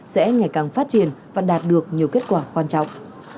sẽ ngày càng phát triển và đạt được nhiều kết quả quan trọng